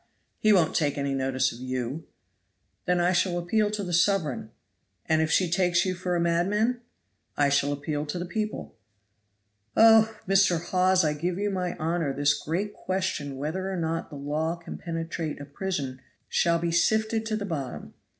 He won't take any notice of you." "Then I shall appeal to the sovereign." "And if she takes you for a madman?" "I shall appeal to the people. Oh! Mr. Hawes, I give you my honor this great question whether or not the law can penetrate a prison shall be sifted to the bottom.